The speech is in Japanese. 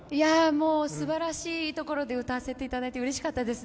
もうすばらしいところで歌わせていただいて、うれしかったです。